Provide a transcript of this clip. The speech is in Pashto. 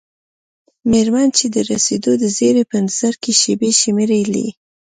میرمن چې د رسیدو د زیري په انتظار کې شیبې شمیرلې.